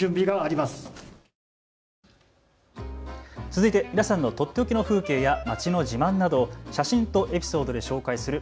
続いて皆さんのとっておきの風景や街の自慢などを写真とエピソードで紹介する＃